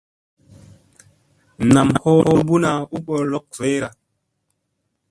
Nam ɦoɦ luɓuna u ɓolok zoyrn.